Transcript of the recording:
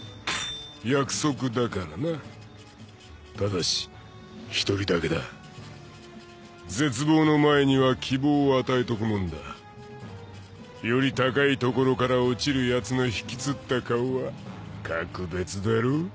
約束だからなただし一人だけだ絶望の前には希望を与えとくもんだより高いところから落ちるヤツの引きつった顔は格別だろう？